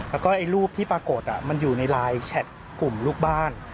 แล้วก็รูปที่ปรากฏมันอยู่ในไลน์แชทกลุ่มลูกบ้าน